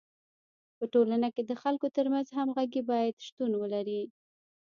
په ټولنه کي د خلکو ترمنځ همږغي باید شتون ولري.